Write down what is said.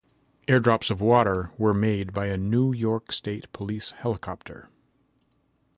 Airdrops of water were made by a New York State Police helicopter.